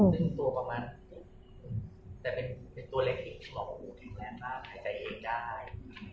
ซึ่งตัวประมาณแต่เป็นตัวเล็กขึ้นหมอบอกว่าโหเป็นแรงมากใครแต่เองได้